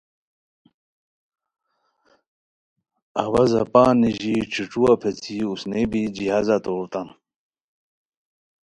اوا زاپان نیژی ݯھوݯھوا پیڅھی اوسنئے بی جہازہ توریتام